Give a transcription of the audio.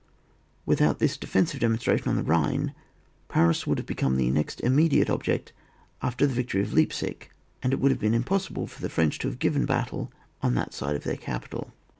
Without this defensive demon stration on the Bhine, Paris would have become the next immediate .object after the victory of Leipsic, and it would have been impossible for the French to have given battle on that side of their capital.